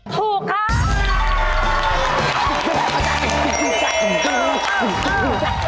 ถูกครับ